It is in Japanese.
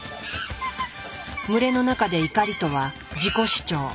群れの中で怒りとは「自己主張」。